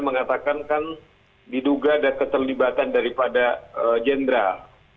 mengatakan kan diduga ada keterlibatan daripada jenderal